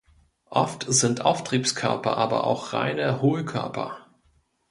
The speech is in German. Oft sind Auftriebskörper aber auch reine Hohlkörper.